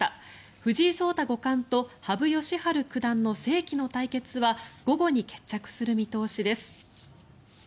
藤井聡太五冠と羽生善治九段の世紀の対決は午後に決着する見通しです。